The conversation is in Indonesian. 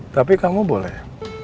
tapi kamu boleh